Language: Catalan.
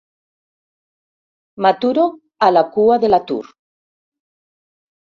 M'aturo a la cua de l'Atur.